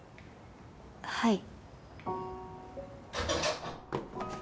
はい。